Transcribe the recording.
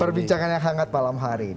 terima kasih pak tito